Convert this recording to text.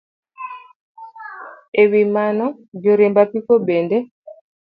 E wi mano, joriemb apiko bende